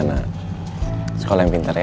iya nak sekolah yang pintar ya